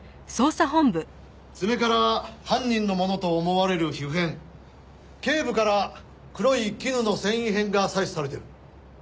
爪から犯人のものと思われる皮膚片頸部から黒い絹の繊維片が採取されてる。